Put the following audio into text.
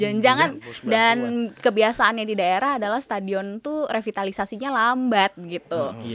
jangan jangan dan kebiasaannya di daerah adalah stadion tuh revitalisasinya lambat gitu